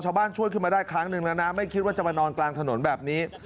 ช่วยขึ้นมาได้ครั้งหนึ่งแล้วนะไม่คิดว่าจะมานอนกลางถนนแบบนี้